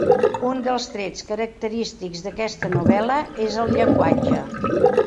Un dels trets característics d'aquesta novel·la és el llenguatge.